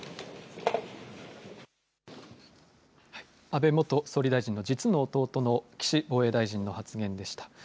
安倍元総理大臣の実の弟の岸防衛大臣の発言でした。